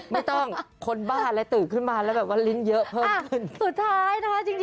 ไม่ต้องคนบ้านและตึกขึ้นมาลิ้นเยอะเพิ่มขึ้น